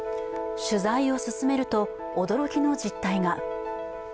取材を進めるときの実態が。